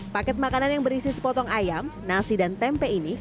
paket makanan yang berisi sepotong ayam nasi dan tempe ini